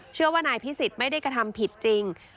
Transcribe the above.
เชื่อว่านายพิสิทธิ์ไม่ได้กระทำผิดจริง